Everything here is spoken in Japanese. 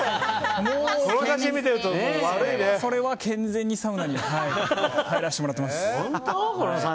もう、それは健全にサウナに入らせてもらってます。